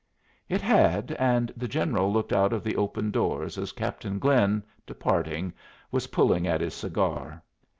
It had, and the General looked out of the open door as Captain Glynn, departing, was pulling at his cigar.